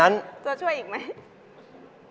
ตัวช่วยอีกไหม